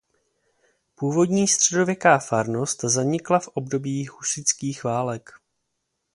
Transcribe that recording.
Původní středověká farnost zanikla v období husitských válek.